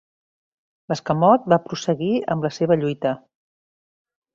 L'escamot va prosseguir amb la seva lluita.